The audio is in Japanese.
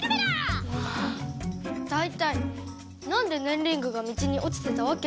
だいたいなんでねんリングが道におちてたわけ？